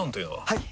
はい！